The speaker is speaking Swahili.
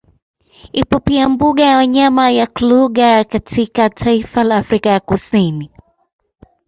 Ipo pia mbuga ya wanyama ya Kluger katika taifa la Afrika ya Kusini